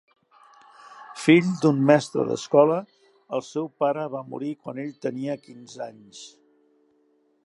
Fill d'un mestre d'escola, el seu pare va morir quan ell tenia quinze anys.